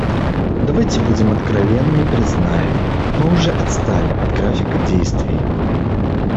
Давайте будем откровенны и признаем − мы уже отстали от графика действий.